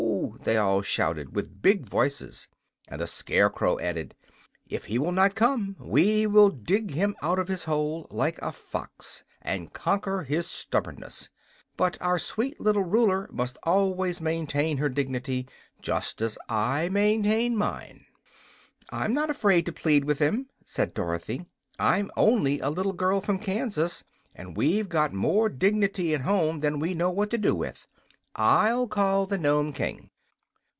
they all shouted, with big voices; and the Scarecrow added: "If he will not come, we will dig him out of his hole, like a fox, and conquer his stubbornness. But our sweet little ruler must always maintain her dignity, just as I maintain mine." "I'm not afraid to plead with him," said Dorothy. "I'm only a little girl from Kansas, and we've got more dignity at home than we know what to do with. I'LL call the Nome King."